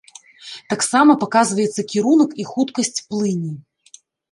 Таксама паказваецца кірунак і хуткасць плыні.